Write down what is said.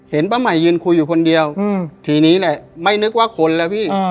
ป้าใหม่ยืนคุยอยู่คนเดียวทีนี้แหละไม่นึกว่าคนแล้วพี่